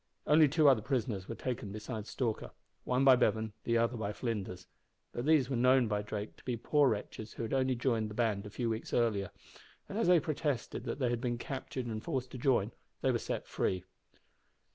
Only two other prisoners were taken besides Stalker one by Bevan, the other by Flinders. But these were known by Drake to be poor wretches who had only joined the band a few weeks before, and as they protested that they had been captured and forced to join, they were set free.